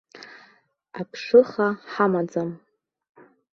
Аԥшыха ҳамаӡам!